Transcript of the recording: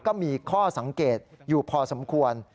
ก็มีข้อสังเกตอยู่พอสมควร